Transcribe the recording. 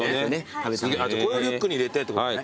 これをリュックに入れてってことね。